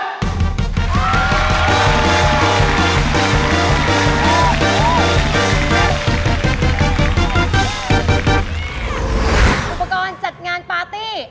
อุปกรณ์จัดงานปาร์ตี้